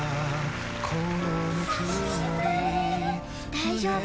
大丈夫。